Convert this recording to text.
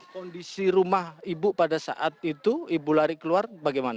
kondisi rumah ibu pada saat itu ibu lari keluar bagaimana